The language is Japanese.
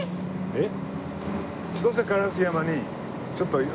えっ！